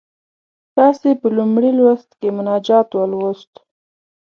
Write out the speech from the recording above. تاسې په لومړي لوست کې مناجات ولوست.